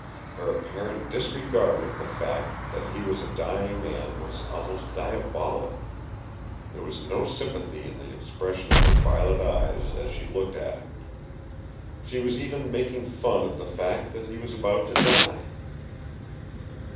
Her apparent disregard of the fact that he was a dying man was almost diabolic. There was no sympathy in the expression of her violet eyes as she looked at him. She was even making fun of the fact that he was about to die!